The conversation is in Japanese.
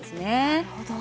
なるほど。